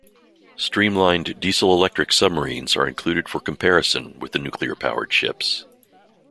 Streamlined diesel-electric submarines are included for comparison with the nuclear-powered ships.